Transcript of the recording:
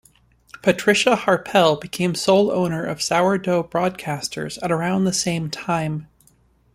Patricia Harpel became sole owner of Sourdough Broadcasters at around the same time.